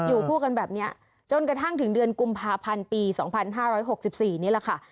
อยู่คู่กันแบบนี้จนกระทั่งถึงเดือนกุมภาพันธ์ปี๒๕๖๔นี่แหละค่ะ